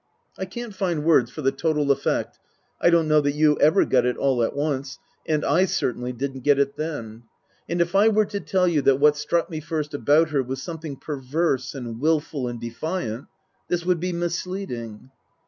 I can't find words for the total effect (I don't know that you ever got it all at once, and I cer tainly didn't get it then), and if I were to tell you that what struck me first about her was something perverse and wilful and defiant, this would be misleading.